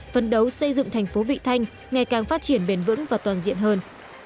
phấn đấu xây dựng thành phố vị thanh ngày càng phát triển bền vững và toàn diện hơn